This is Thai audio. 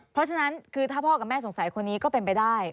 เพราะฉะนั้นคือถ้าพ่อกับแม่สงสัยคนนี้ก็เป็นไปได้